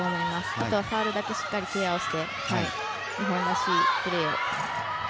あとはファウルだけしっかりケアをして日本らしいプレーを。